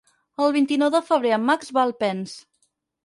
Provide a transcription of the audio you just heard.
El vint-i-nou de febrer en Max va a Alpens.